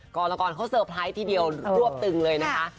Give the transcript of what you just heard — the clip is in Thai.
กรกรเขาเซอร์ไพรส์ทีเดียวรวบตึงเลยนะคะ